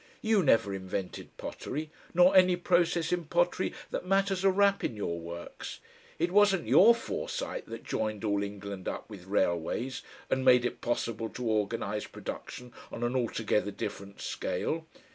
YOU never invented pottery, nor any process in pottery that matters a rap in your works; it wasn't YOUR foresight that joined all England up with railways and made it possible to organise production on an altogether different scale.